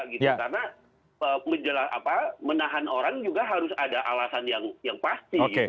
karena menahan orang juga harus ada alasan yang pasti